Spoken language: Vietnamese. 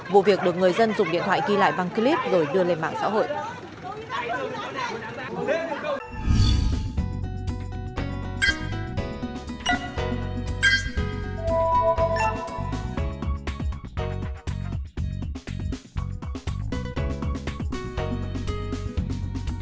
vụ việc được người dân dùng điện thoại ghi lại bằng clip rồi đưa lên mạng xã hội